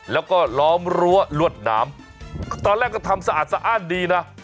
แล้วก็ล้อมรั้วลวดน้ำตอนแรกก็ทำสะอาดดีนะ